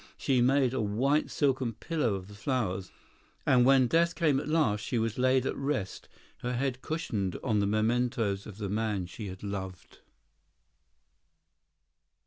She made a white silken pillow of the flowers; and, when death came at last, she was laid at rest, her head cushioned on the mementos of the man she had loved.